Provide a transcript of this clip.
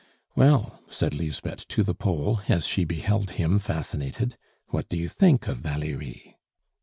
"Well," said Lisbeth to the Pole, as she beheld him fascinated, "what do you think of Valerie?"